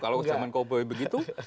kalau zaman cowboy begitu